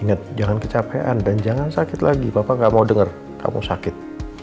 ingat jangan kecapean dan jangan sakit lagi bapak gak mau dengar kamu sakit